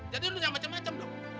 jadi lu nyampe macam macam dong